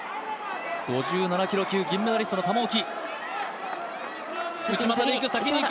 ５７キロ級、金メダリストの玉置。